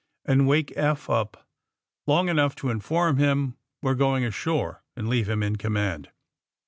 And wake Eph up long enough to inform him we're going ashore and leave him in command."